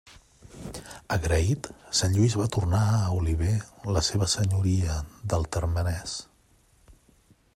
Agraït, sant Lluís va tornar a Oliver la seva senyoria del Termenès.